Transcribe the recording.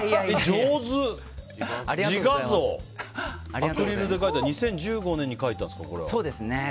アクリルで２０１５年に描いたんですか。